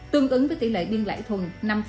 tương ứng với tỷ lệ biên lãi thuần năm ba mươi ba